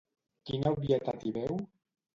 Quina obvietat hi veu?